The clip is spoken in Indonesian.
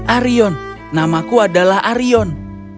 arion namaku adalah arion